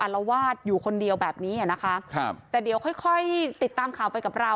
อรวาสอยู่คนเดียวแบบนี้แต่เดี๋ยวค่อยติดตามข่าวไปกับเรา